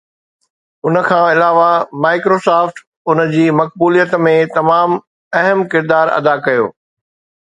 ان کان علاوه Microsoft ان جي مقبوليت ۾ تمام اهم ڪردار ادا ڪيو